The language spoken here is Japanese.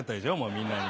みんなに。